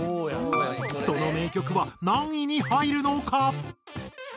その名曲は何位に入るのか？